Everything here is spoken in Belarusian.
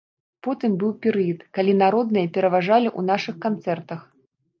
Потым быў перыяд, калі народныя пераважалі ў нашых канцэртах.